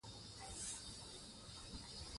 په ندرت سره پيدا کېږي